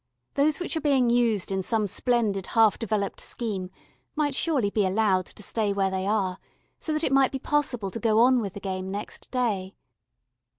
Those which are being used in some splendid half developed scheme might surely be allowed to stay where they are, so that it may be possible to go on with the game next day.